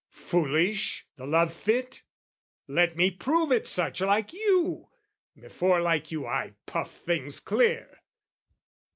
Foolish, the love fit? Let me prove it such Like you, before like you I puff things clear!